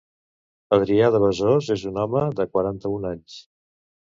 Adrià de Besòs, és un home de quaranta-un anys.